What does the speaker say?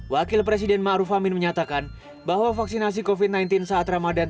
wakil presiden ma'ruf amin menyatakan bahwa vaksinasi covid sembilan belas saat ramadan